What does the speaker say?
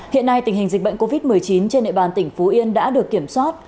hiện nay tình hình dịch bệnh covid một mươi chín trên địa bàn tỉnh phú yên đã được kiểm soát